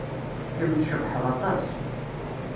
Kemm tcebḥed aṭas.